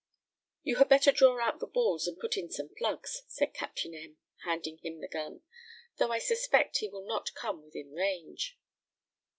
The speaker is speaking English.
"You had better draw out the balls and put in some slugs," said Captain M , handing him the gun; "though I suspect he will not come within range."